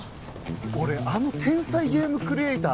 俺あの天才ゲームクリエイター